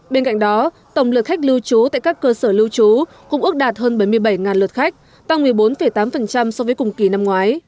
bên cạnh đó tổng lượt khách lưu trú tại các cơ sở lưu trú cũng ước đạt hơn bảy mươi bảy lượt khách tăng một mươi bốn tám so với cùng kỳ năm ngoái